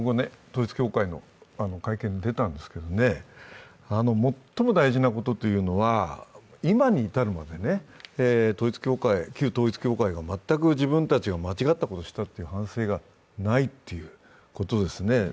統一教会の会見に出たんですけど最も大事なことは、今に至るまで旧統一教会が全く自分たちが間違ったことをしたという反省がないということですね。